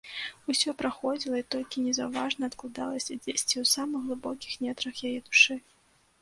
Усё праходзіла і толькі незаўважна адкладалася дзесьці ў самых глыбокіх нетрах яе душы.